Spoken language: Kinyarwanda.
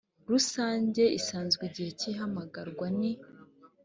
rusange isanzwe igihe cy ihamagarwa ni